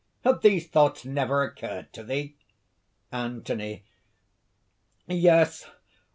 Have these thoughts never occurred to thee?" ANTHONY. "Yes!...